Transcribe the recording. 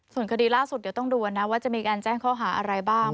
ส่วนคดีล่าสุดเดี๋ยวต้องดูนะว่าจะมีการแจ้งข้อหาอะไรบ้าง